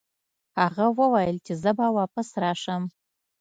هغه وویل چې زه به واپس راشم.